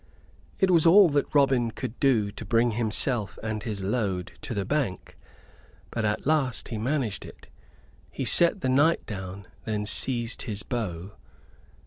It was all that Robin could do to bring himself and his load to the bank; but at last he managed it. He set the knight down, then seized his bow.